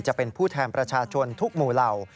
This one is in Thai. จะเป็นผู้แทนประชาชนทุกหมู่เหล่า